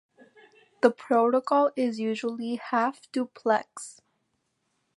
The protocol is usually half-duplex.